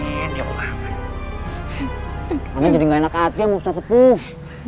anaknya jadi gak enak hati yang usah sepuh